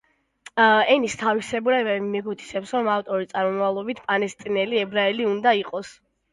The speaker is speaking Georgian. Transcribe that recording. ენის თავისებურებები მიგვითითებს, რომ ავტორი წარმომავლობით პალესტინელი ებრაელი უნდა იყოს.